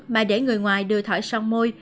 mà để người ngoài đưa thỏi son môi